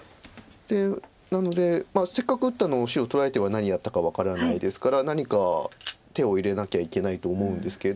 なのでせっかく打ったのを白取られては何やったか分からないですから何か手を入れなきゃいけないと思うんですけど。